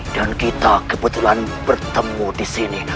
dan kita kebetulan bertemu disini